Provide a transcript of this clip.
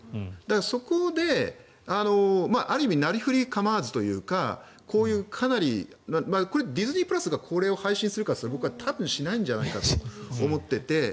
そこで、ある意味なりふり構わずというかこういうかなりディズニープラスがこれを配信するかといったら多分しないんじゃないかと思ってて。